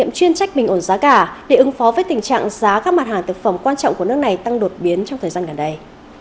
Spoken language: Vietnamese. việt nam chuyên trách bình ổn giá cả để ứng phó với tình trạng giá các mặt hàng thực phẩm quan trọng của nước này tăng đột biến trong thời gian gần đây